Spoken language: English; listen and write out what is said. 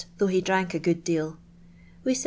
jih he drank a good deal. We .v'.d.